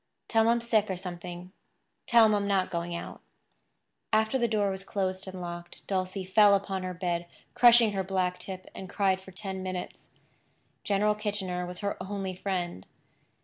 "Tell him I'm sick, or something. Tell him I'm not going out." After the door was closed and locked, Dulcie fell upon her bed, crushing her black tip, and cried for ten minutes. General Kitchener was her only friend.